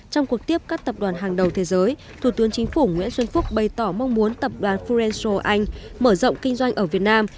trong cuộc tiếp các tập đoàn hàng đầu thế giới thủ tướng chính phủ nguyễn xuân phúc bày tỏ mong muốn tập đoàn fureen anh mở rộng kinh doanh ở việt nam